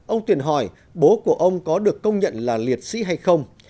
ông tuyển hỏi bố của ông có được công nhận là liệt sĩ hay không